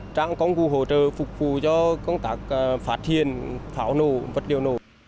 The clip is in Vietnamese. trang công cụ hỗ trợ phục vụ cho công tác phát hiện pháo nổ vật liệu nổ